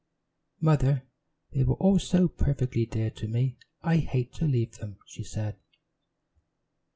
"Mother, they were all so perfectly dear to me I hate to leave them," she said.